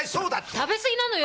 食べ過ぎなのよ！